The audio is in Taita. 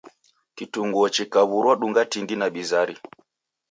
Kitunguo chikaw'urwa dunga tindi na bizari.